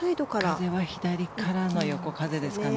風は左からの横風ですね。